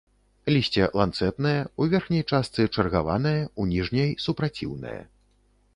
Лісце ланцэтнае, у верхняй частцы чаргаванае, у ніжняй супраціўнае.